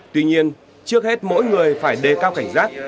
tuy nhiên trước hết mỗi người phải đề cao cảnh giác